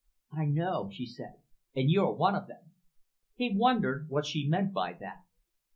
"I know," she said. "And you're one of them." He wondered what she meant by that.